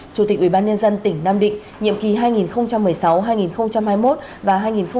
chủ tịch ubnd tỉnh nam định nhiệm kỳ hai nghìn một mươi sáu hai nghìn hai mươi một và hai nghìn hai mươi hai nghìn hai mươi